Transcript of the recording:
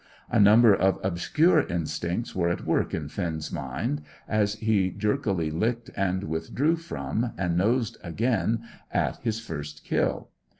A number of obscure instincts were at work in Finn's mind as he jerkily licked, and withdrew from, and nosed again at his first kill.